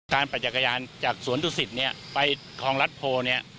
การปัจจักรยานจากสวนทุศิษฐ์เนี่ยไปของรัฐโพลเนี่ย